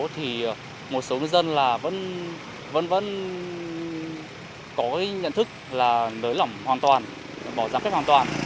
thì một số người dân vẫn có nhận thức là nới lỏng hoàn toàn bỏ giảm phép hoàn toàn